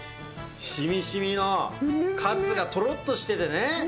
しみしみの、カツがとろっとしててね。